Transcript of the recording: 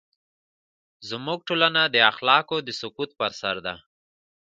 زموږ ټولنه د اخلاقو د سقوط پر سر ده.